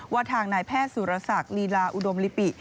ว่าทางนายแพทย์สุรศักดิ์ลีลาอุดมลิปิ